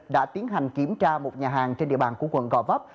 đã tiến hành kiểm tra một nhà hàng trên địa bàn của quận gò vấp